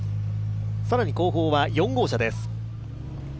更に後方は４号車です。